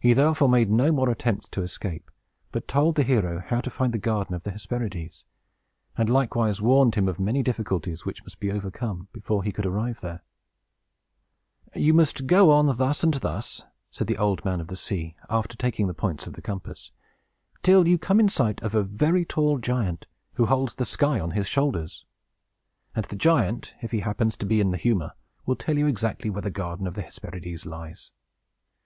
He therefore made no more attempts to escape, but told the hero how to find the garden of the Hesperides, and likewise warned him of many difficulties which must be overcome, before he could arrive thither. "You must go on, thus and thus," said the Old Man of the Sea, after taking the points of the compass, "till you come in sight of a very tall giant, who holds the sky on his shoulders. And the giant, if he happens to be in the humor, will tell you exactly where the garden of the Hesperides lies."